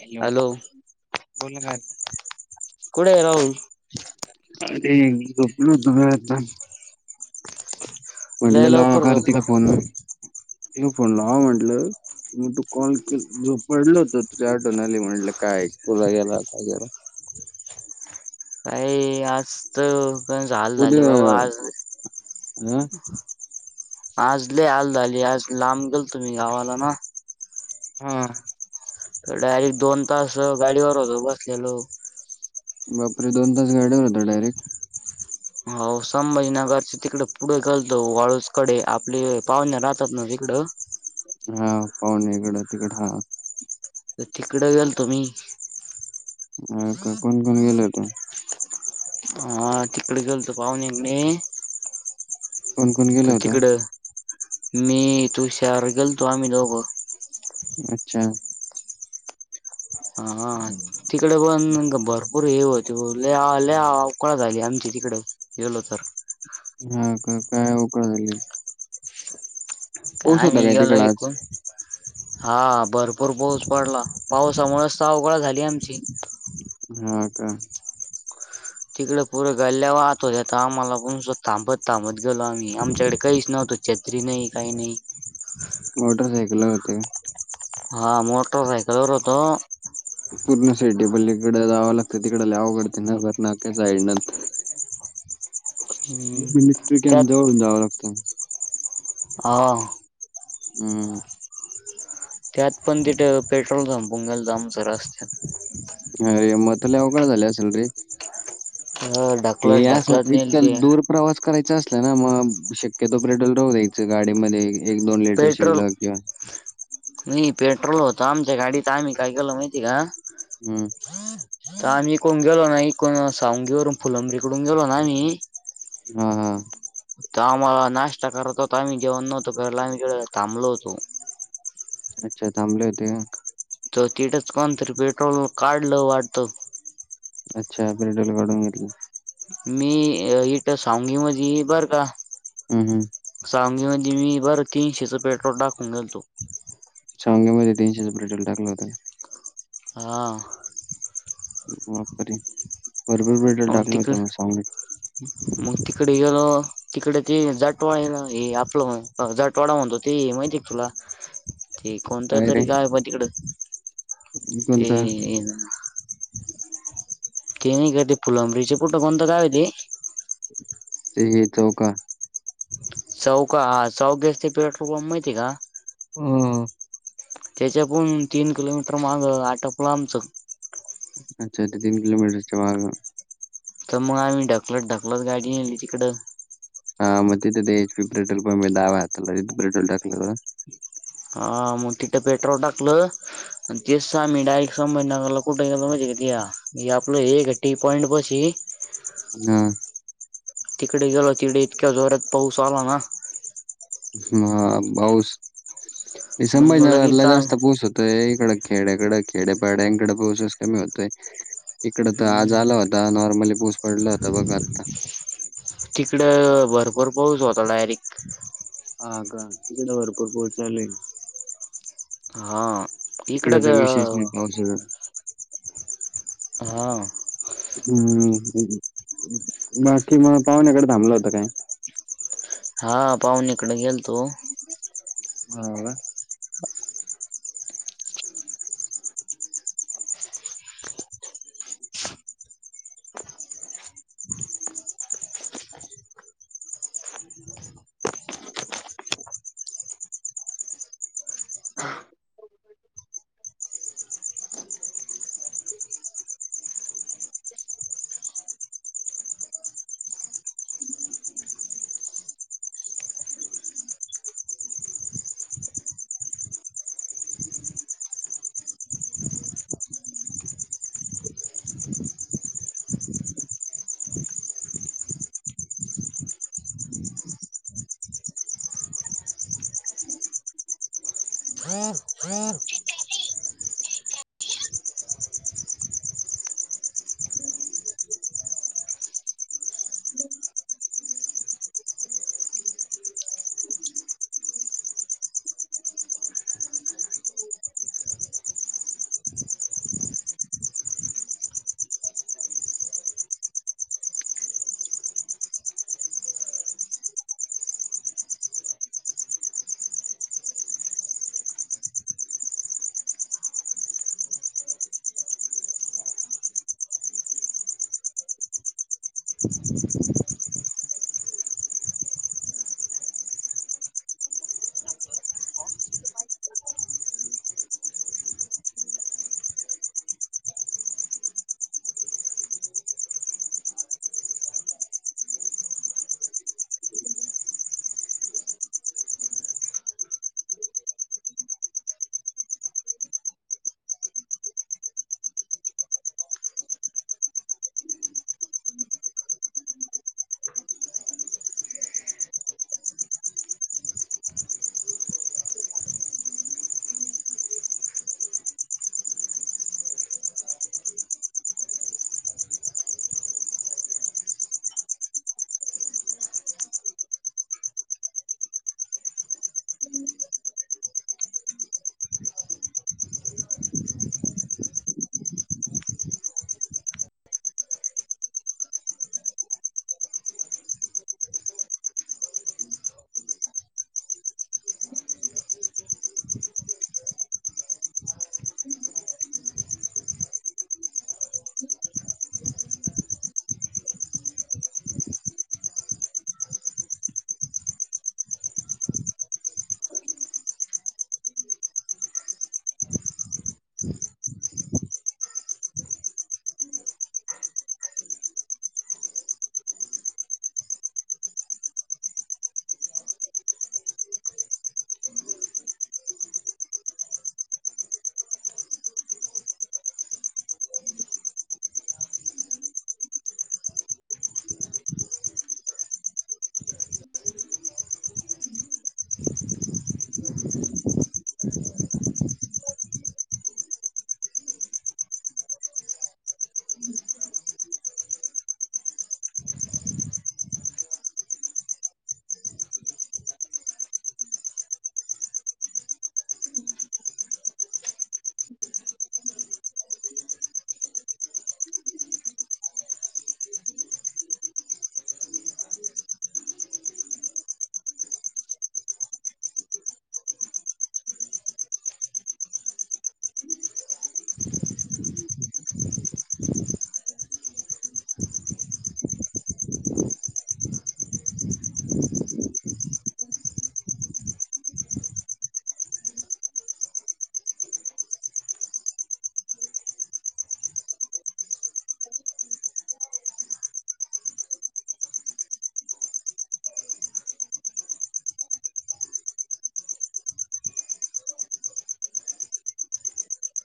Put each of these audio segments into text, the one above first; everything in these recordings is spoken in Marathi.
हॅलो बोल कार कुठे गेला अरे झोपलो होतो आता म्हटलं लय लावा लवकर करत झोपला का फोन त फोन लाव म्हंटलं मग तू कॉल के जो पडलं होत तुझं आठवण आली म्हटलं काय तुला गेला काय गेला काही असतं तर पण हाल उद्या झाले बाबा आज हा. आज लय हाल झाले आज लांब गेलतो मी गावाला ना हा तर डायरेक्ट दोन तास गाडीवर होतो बसलेलो. बापरे दोन तास गाडीवर होता डायरेक्ट हो संभाजीनगरची तिकडे पुढे घालतो वाळूजकडे आपली पाहुण्या राहतात ना तिकडं हा पाहणे कड तिकडं हा तर तिकडे गेल मी अ का कोण कोण गेलं होत? ह तिकडे गेल तू पाहुण्यांनी कोण कोण गेलं तर होत तिकडं मी तुषार गेल तो आम्ही दोघं अच्छा हा तिकडे पण भरपूर हे होते लय अवकळ झाली आमची तिकडे गेलो तर हा का काय आकळ झाली? का पाऊस होता आम्ही काय गेलो तिकड आज इकडुन हा भरपूर पाऊस पडला पावसामुळेच आवकाळ झाली आमची हा का तिकडं पुरे गाल्ल्या वाहतो त्या आम्हाला पणो थाबत थांबत गेलो आम्ही आमच्याकडे काहीच नव्हतो. छत्री नाही काही नाही मोटरसायकल ला होते. हा मोटर सायकलवर होतो पूर्ण सिटीपलीकड जावं लागतं तिकडं लय अवघड न कर नाक साईडनंतर हम्म मिनिस्ट्री कॅम्प त्यात जवळून जाव लागतं हा हम्म त्यात पण तीट पेट्रोल संपूण गेलत आमचं रस्त्यात. अ रे मत लय अवघड झाले असेल रे. हे ढकलत अस ढकलत नेल इतक ते दूर प्रवास करायचा असला ना मग शक्यतो पेट्रोल राहू द्यायचं गाडीमध्ये. एक दोन लिटर पेट्रोल शिल्लक किंवा नाही पेट्रोल होत आमच्या गाडीत आम्ही काय केलं माहिती का हम्म. [inaudible] त आम्ही एकूण गेलो ना एकूण सोंगी वरून फुलंब्री कडून गेलो ना आम्ही हा हा. आम्हाला नाश्ता करत होतो आम्ही जेवण नव्हतो करल आम्ही इकड थबलो होतो. अच्छा थांबले होते का. त तिटच कोण तरी पेट्रोल काढलं वाटतं अच्छा पेट्रोल काढून घेतली. मी इट सॉगी मधी बर का हम्म हम्म. सांगी मध्ये मी बर तीनशेच पेट्रोल टाकून गेलतो सांगली मध्ये तीनशेच पेट्रोल टाकलं होत. हा. बापरे भरपूर पे आउन तिकडं मग तिकडे गेलो तिकडे ते जाटवाड हे आपलं जाटवाडा म्हणतो ते माहिती ये का तुला? ते काय रे? कोणतरी गाव ये पहा तिकडं. कोणता? ते नाही का ते फुलंब्रीच कुठं कोणत गावे ते. ते हे चौका. चौका हा चौकेस ते पेट्रोल पंप माहिती आहे का. हम्म. त्याच्या पण तीन किलोमीटर माग आटपलं आमचं. अच्छा इथ तीन किलोमीटरच्या माग. तर मग आम्ही ढकलत ढकलत गाडी नेली तिकडं. हा मग तिथे ते एच पी पेट्रोल पंप ये डाव्या हाताला तिथे पेट्रोल टाकलं होतं का. हा मग तिथं पेट्रॉल टाकलं आणि तेच आम्ही डायरेक्ट संभाजीनगरला कुठे गेलो माहितीये का त्या हे आपलं हे का टी पॉईंट पाशी. हम्म. तिकडे गेलो तिकडे इतक्या जोरात पाऊस आला ना म बाऊस हे मग लगेच संभाजीनगरला सांग जास्त पाऊस ये य इकड खेड्याकड खेडेपाड्यांकडे पाोसेस कमी होतय इकड तर आज हम्म आला होत आता नॉर्मली पाऊस पडला होता बघ आता तिकडं भरपूर पाऊस होता डायरेक्ट. हा का ति [unintelligible] भरपूर पोहोचालय. हा इकडं इकडे काही ग विशेष नाही पाऊस एवढ. हा. हम्म बाकी मग पाहुण्याकडे थांबलं होत काय. हा पाहुन इकडे गेल तो. मला. [unintelligible] हॅलो [inaudible] [inaudible] [inaudible] [inaudible] [inaudible] हं. [unintelligible] सरी [unintelligible] [inaudible] ह [inaudible] ह [inaudible] हम्. [inaudible] ह [inaudible] [unintelligible] [inaudible] [inaudible]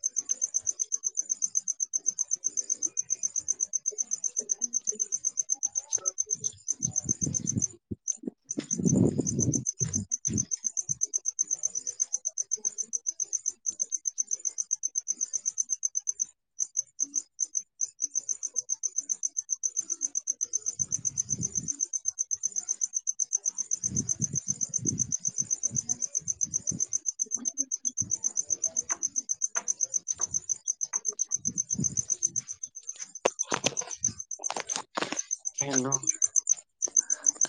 [inaudible] [unintelligible] [unintelligible] [inaudible] [inaudible] [inaudible] अा [unintelligible] हन [unintelligible]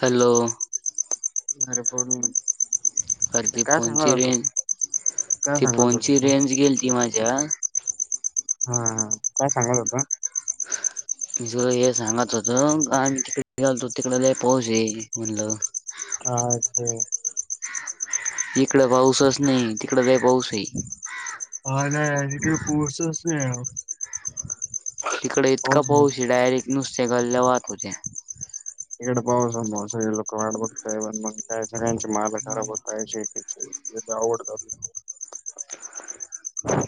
हॅलो? अरे बोलना. अरे ती फोनची रेंज, काय ती सांगत होतो फोनची तू? रेंज गेल ती माझ्या. हा हा काय सांगात होता? मी तुला हे सांगत होतो, आम्ही तिकडे निघाल तो तिकड लई पाऊस ये म्हणलं. हा तेे. इकड पाऊसच नई, तिकड लई पाऊस ये. हाना इकडे पाऊसच नहीं यार. तिकडे इतका पाऊस ये, डायरेक्ट नुसत्या गल्ल्या वाहत होत्या. इकडे पाउसामुळे सगळे लोक वाढ बघताय, पण काय सगळ्यांची माल खराब होताय शेतीचे. लईच अवघड चालूये.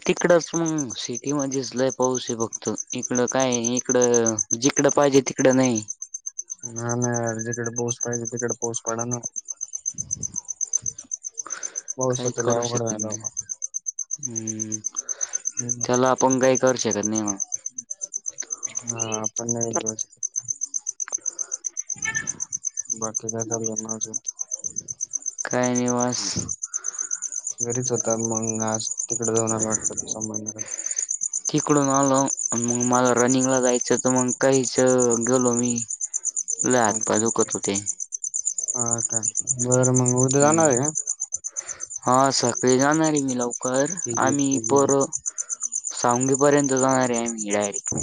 तिकडच मग सिटी मध्येच लई पाऊस ये बघत इकड काय इकडं. जिकडं पाहिजे, तिकड नई. हा ना यार जिकडे पाऊस पाहिजे, तिकडे पाऊस पडा ना. [inaudible] काही लय करू अवघड शकन झालं नाही, बाबा. हम्म त्याला. कोण काय शकत नई मग. हा आपण नइ करू शकत. बाकी काय चालाय मग अजून? काय नई बस. घरीच होता, मग आज तिकडे जाऊन आला वाटतं संभाजीनगर. तिकडून आलो, मग मला रनिंग ला जायचं त मग काहीच गेलो मी. हो [unintelligible] [inaudible] [unintelligible] ्छच् हा काय, बर मग उद्या हम्म जाणार ये का? हा सकाळी जाणार ये मी लवकर ठीक आहे आम्ही ठीक आहे पोरं. सांगवी पर्यंत जाणार ये आम्ही डायरेक्ट.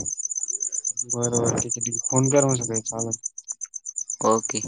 बरबर ठीक ठीक, फोन कर मग सकाळी सहाला ओके.